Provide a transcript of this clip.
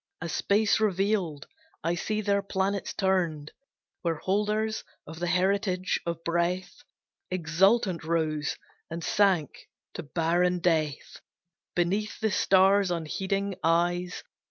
A space revealed, I see their planets turned, Where holders of the heritage of breath Exultant rose, and sank to barren death Beneath the stars' unheeding eyes.